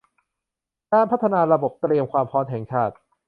การพัฒนาระบบเตรียมความพร้อมแห่งชาติ